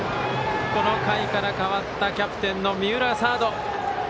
この回から変わったキャプテン三浦サード。